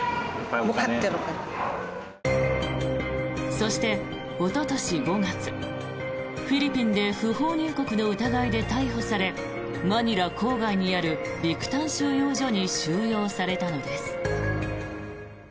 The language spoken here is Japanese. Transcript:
そしておととし５月フィリピンで不法入国の疑いで逮捕されマニラ郊外にあるビクタン収容所に収容されたのです。